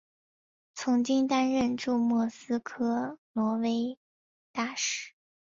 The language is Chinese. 曾经担任驻莫斯科挪威大使。